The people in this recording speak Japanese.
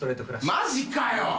マジかよ！